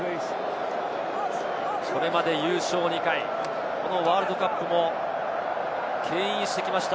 これまで優勝２回、ワールドカップもけん引してきました